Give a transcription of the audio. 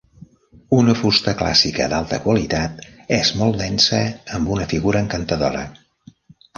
Una fusta clàssica d'alta qualitat, és molt densa amb una figura encantadora.